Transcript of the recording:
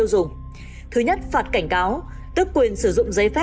đây anh lấy cái táo này nó ngon à